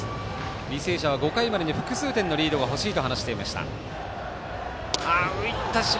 履正社は５回までに複数点のリードが欲しいと話していました。